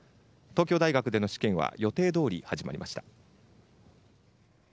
東京大学での試験は予定どおり始まりました。